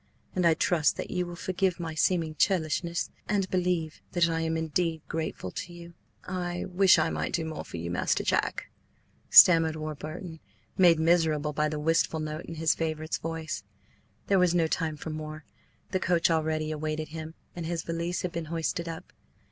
And I trust that you will forgive my seeming churlishness and believe that I am indeed grateful to you." "I wish I might do more for you, Master Jack!" stammered Warburton, made miserable by the wistful note in his favourite's voice. There was no time for more; the coach already awaited him, and his valise had been hoisted up.